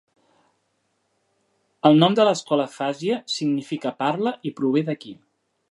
El nom de l'escola Fàsia significa "parla" i prové d'aquí.